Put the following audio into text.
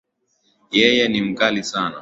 Yeye ni mkali sana